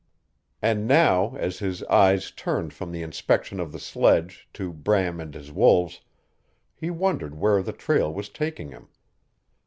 And now, as his eyes turned from the inspection of the sledge to Bram and his wolves, he wondered where the trail was taking him.